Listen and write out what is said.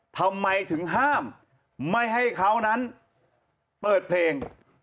ทำไมถึงห้ามไม่ให้เขานั้นเปิดเพลง